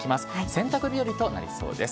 洗濯日和となりそうです。